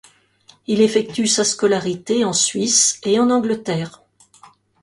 Il effectue sa scolarité en Suisse et en Angleterre.